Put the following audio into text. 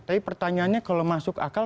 tapi pertanyaannya kalau masuk akal